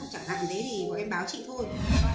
chẳng hạn thế thì bọn em báo chị thôi